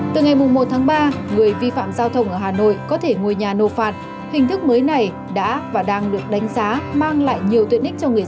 từ ngày một tháng ba người vi phạm giao thông ở hà nội có thể ngồi nhà nộp phạt hình thức mới này đã và đang được đánh giá mang lại nhiều tiện ích cho người dân